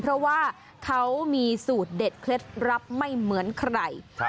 เพราะว่าเขามีสูตรเด็ดเคล็ดลับไม่เหมือนใคร